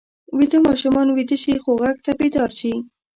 ویده ماشومان ویده شي خو غږ ته بیدار شي